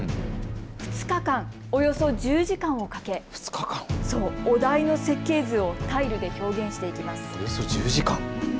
２日間、およそ１０時間をかけお題の設計図をタイルで表現していきます。